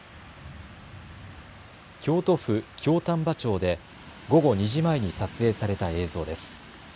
京都府京丹波町で午後２時前に撮影された映像です。